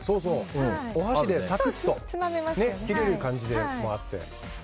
お箸でサクッと切れる感じもあって。